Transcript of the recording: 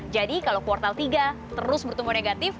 kalau kuartal tiga terus bertumbuh negatif